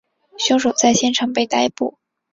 凶手在现场被逮捕。